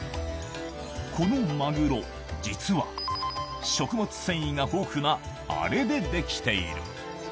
このマグロ、実は、食物繊維が豊富なあれで出来ている。